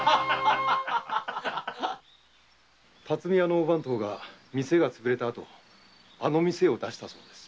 ン⁉巽屋の大番頭が店が潰れた後店を出したそうです。